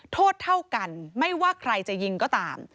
โทษเท่ากันไม่ว่าใครจะยิงก็ตาม